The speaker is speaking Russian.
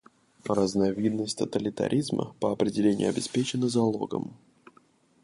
Разновидность тоталитаризма, по определению, обеспечена залогом.